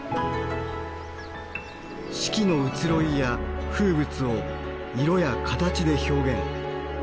四季の移ろいや風物を色や形で表現。